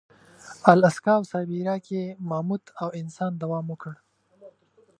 الاسکا او سابیریا کې ماموت او انسان دوام وکړ.